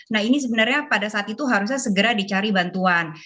nah ini sebenarnya pada saat itu harusnya segera dicari bantuan